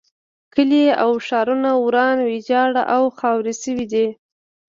کلي او ښارونه وران ویجاړ او خاورې شوي دي.